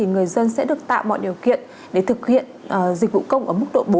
người dân sẽ được tạo mọi điều kiện để thực hiện dịch vụ công ở mức độ bốn